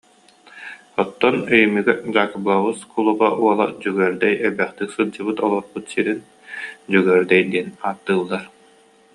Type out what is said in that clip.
Оттон Өйүмүгэ Дьаакыбылабыс кулуба уола Дьөгүөрдэй элбэхтик сылдьыбыт, олорбут сирин Дьөгүөрдэй диэн ааттыыллар